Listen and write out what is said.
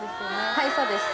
はいそうです。